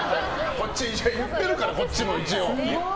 言ってるから、こっちも一応。